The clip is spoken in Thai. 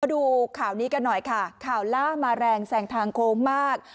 ดูข่าวนี้กันหน่อยค่ะข่าวล่ามาแรงแสงทางโค้งมาก